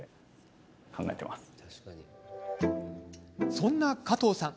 そんな加藤さん